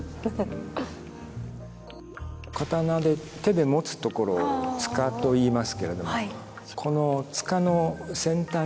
刀で手で持つところを柄といいますけれどもこの柄の先端にですね